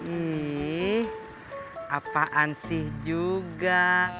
ih apaan sih juga